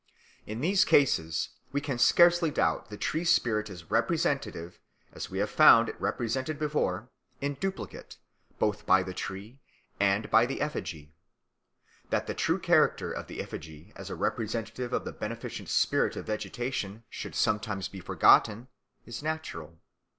In these cases, we can scarcely doubt, the tree spirit is represented, as we have found it represented before, in duplicate, both by the tree and by the effigy. That the true character of the effigy as a representative of the beneficent spirit of vegetation should sometimes be forgotten, is natural.